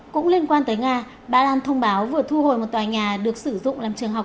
cũng liên quan tới nga ba lan thông báo vừa thu hồi một tòa nhà được sử dụng làm trường học